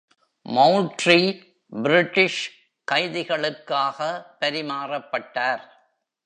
Moultrie British கைதிகளுக்காக பரிமாறப்பட்டார்.